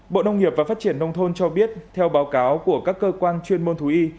bộ nông nghiệp và phát triển nông thôn cho biết theo báo cáo của các cơ quan chuyên môn thú y